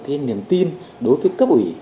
cái niềm tin đối với cấp ủy